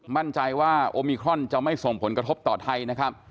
มั่นใจว่าโอมิครอนจะไม่ส่งผลกระทบต่อไทยนะครับ